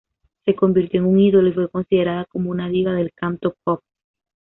Se convirtió en un ídolo y fue considerada como una diva del cantopop.